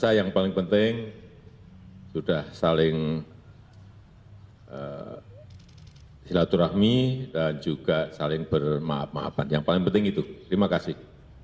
saya yang paling penting sudah saling silaturahmi dan juga saling bermaaf maafan yang paling penting itu terima kasih